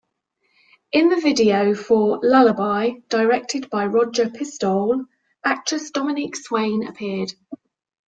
In the video for "Lullaby", directed by Roger Pistole, actress Dominique Swain appeared.